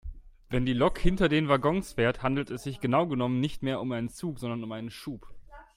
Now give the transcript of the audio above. Wenn die Lok hinter den Waggons fährt, handelt es sich genau genommen nicht mehr um einen Zug sondern um einen Schub.